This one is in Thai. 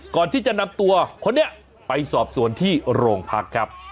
ก่อนที่จะนำตัวคนนี้ไปสอบสวนที่โรงพักครับ